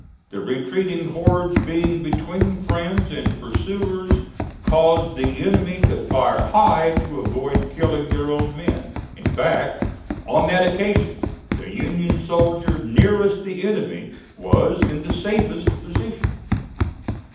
The retreating hordes being between friends and pursuers caused the enemy to fire high to avoid killing their own men. In fact, on that occasion the Union soldier nearest the enemy was in the safest position.